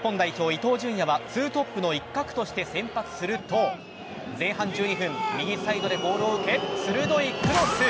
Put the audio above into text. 伊東純也はツートップの一角として先発すると前半１２分右サイドでボールを受け鋭いクロス。